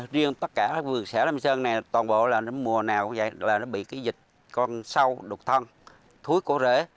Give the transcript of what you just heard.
riêng tất cả các vườn xã lâm sơn này toàn bộ là mùa nào cũng vậy là nó bị dịch con sâu đục thân thúi cổ rễ